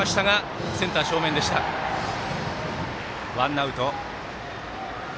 ワンアウト。